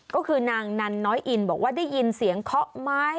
ก็คือนางนันน้อยอินบอกว่าได้ยินเสียงเคาะไม้